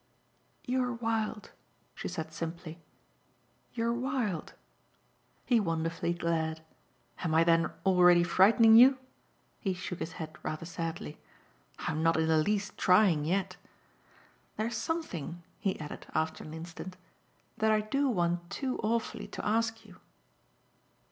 "You're wild," she said simply "you're wild." He wonderfully glared. "Am I then already frightening you?" He shook his head rather sadly. "I'm not in the least trying yet. There's something," he added after an instant, "that I do want too awfully to ask you."